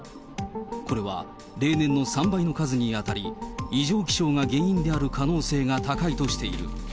これは例年の３倍の数に当たり、異常気象が原因である可能性が高いとしている。